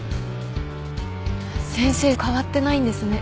先生変わってないんですね。